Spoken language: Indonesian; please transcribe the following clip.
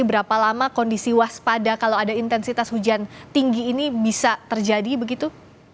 berapa lama kondisi waspada kalau ada intensitas hujan tinggi ini bisa terjadi begitu